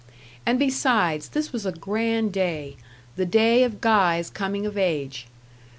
And besides, this was a grand day the day of Guy's coming of age.